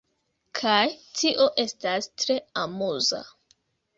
kaj tio estas tre amuza